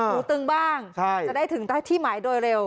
หูตึงบ้างจะได้ถึงที่หมายโดยเร็ว